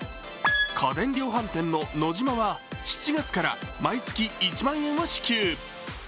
家電量販店のノジマは７月から毎月１万円を支給。